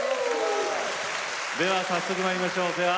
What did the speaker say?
では早速まいりましょうか。